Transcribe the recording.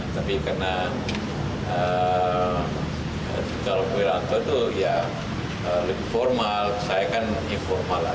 tapi karena kalau pak wiranto itu lebih formal saya kan informal lagi